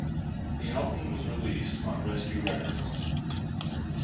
The album was released on Rescue Records.